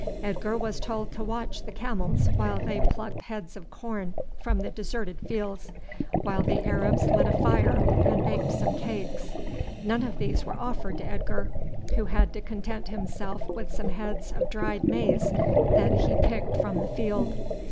Edgar was told to watch the camels while they plucked heads of corn from the deserted fields, while the Arabs lit a fire and baked some cakes. None of these were offered to Edgar, who had to content himself with some heads of dried maize that he picked from the field.